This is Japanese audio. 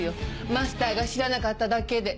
マスターが知らなかっただけで。